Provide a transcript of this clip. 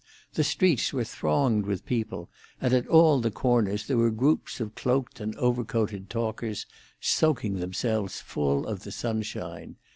The streets were thronged with people, and at all the corners there were groups of cloaked and overcoated talkers, soaking themselves full of the sunshine.